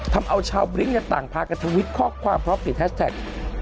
ทำเอาชาวบลิ้งอย่างต่างพากันทวิทย์ข้อความพร้อมผลิตแฮชแท็ก